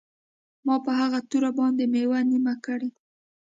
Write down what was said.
ما په هغه توره باندې میوه نیمه کړه